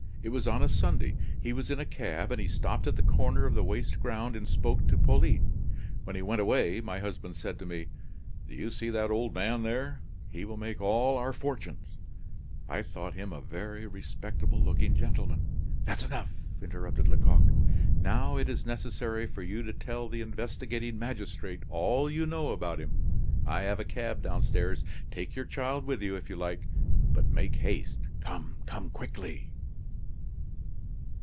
It was on a Sunday. He was in a cab. He stopped at the corner of the waste ground and spoke to Polyte. When he went away, my husband said to me: 'Do you see that old man there? He will make all our fortunes.' I thought him a very respectable looking gentleman " "That's enough," interrupted Lecoq. "Now it is necessary for you to tell the investigating magistrate all you know about him. I have a cab downstairs. Take your child with you, if you like; but make haste; come, come quickly!"